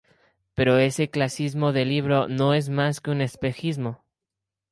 Pero ese clasicismo de libro no es más que un espejismo.